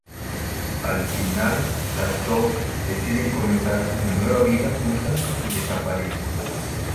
Al final las dos deciden comenzar una nueva vida juntas y desaparecen.